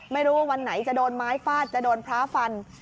ไม่รู้วันไหนจะโดนไม้ฟาดจะโดนพระฟัน